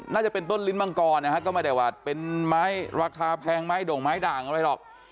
น่าจะเป็นต้นลิ้นมังกรนะฮะก็ไม่ได้ว่าเป็นไม้ราคาแพงไม้ด่งไม้ด่างอะไรหรอก